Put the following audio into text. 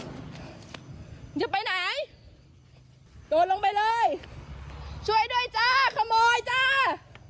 มึงจะไปไหนโดดลงไปเลยช่วยด้วยจ้าขโมยจ้า